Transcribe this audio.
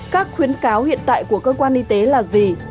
các khuyến cáo hiện tại của cơ quan y tế là gì